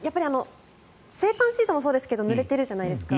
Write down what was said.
制汗シートもそうですがぬれてるじゃないですか。